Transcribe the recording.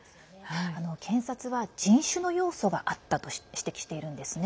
検察は人種の要素があったと指摘しているんですね。